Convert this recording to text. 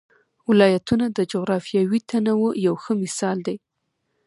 ولایتونه د جغرافیوي تنوع یو ښه مثال دی.